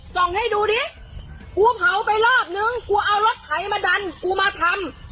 ส่งให้ดูดิกูเผาไปรอบนึงกูเอารถไถมาดันกูมาทำ